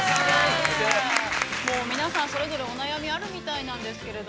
◆もう皆さん、それぞれお悩みあるみたいなんですけど。